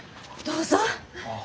どうぞ。